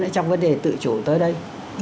trong vấn đề tự chủ tới đây